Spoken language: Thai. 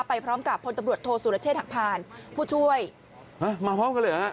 ไปพร้อมกับพลตำรวจโทษสุรเชษฐหักพานผู้ช่วยฮะมาพร้อมกันเลยเหรอฮะ